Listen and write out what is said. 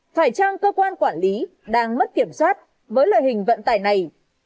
phải chăng cơ quan quản lý đang mất kiểm soát với loại hình vận tải này